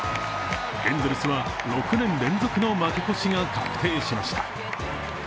エンゼルスは６年連続の負け越しが確定しました。